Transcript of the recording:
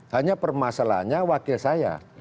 hanya permasalahannya wakil saya